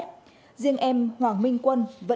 riêng em hoàng minh quân vẫn đang ở đây